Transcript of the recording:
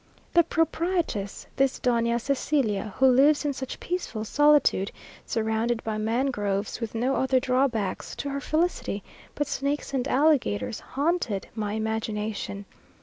The proprietress, this Doña Cecilia, who lives in such peaceful solitude, surrounded by mangroves, with no other drawbacks to her felicity but snakes and alligators, haunted my imagination.